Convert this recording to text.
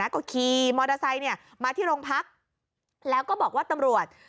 ก็ขี่มอเตอร์ไซค์มาที่โรงพักแล้วก็บอกว่าตำรวจ